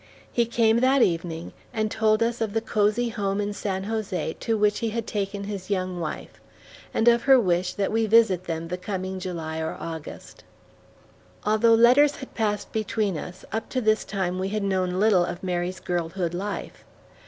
He came that evening, and told us of the cozy home in San Jose to which he had taken his young wife, and of her wish that we visit them the coming July or August. Although letters had passed between us, up to this time we had known little of Mary's girlhood life.